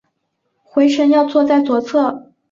回程要坐在左侧